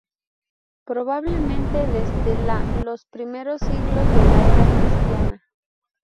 Probablemente desde la los primeros siglos de la era cristiana.